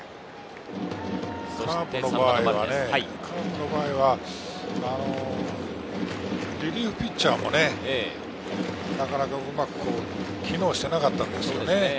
カープの場合はね、リリーフピッチャーもなかなかうまく機能していなかったんですよね。